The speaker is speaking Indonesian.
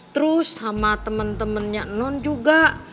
terus sama temen temennya non juga